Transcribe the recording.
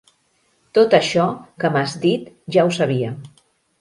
Tot això que m'has dit, ja ho sabia.